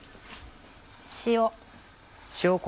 塩。